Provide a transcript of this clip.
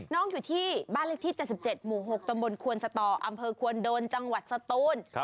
อยู่ที่บ้านเลขที่๗๗หมู่๖ตำบลควนสตออำเภอควนโดนจังหวัดสตูน